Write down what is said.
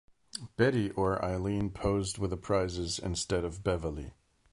Betty or Eileen posed with the prizes instead of Beverly.